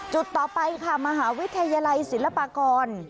ต่อไปค่ะมหาวิทยาลัยศิลปากร